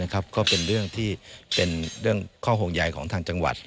ก็เป็นเรื่องที่เป็นข้อโหงใหญ่ของทางจังหวัด